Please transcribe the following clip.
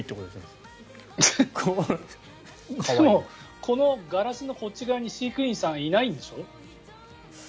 でもこのガラスのこっち側に飼育員さんいないんでしょ。